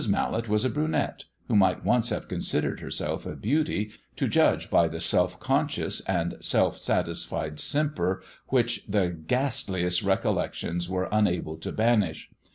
Mallet was a brunette who might once have considered herself a beauty, to judge by the self conscious and self satisfied simper which the ghastliest recollections were unable to banish.